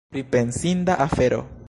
Pripensinda afero!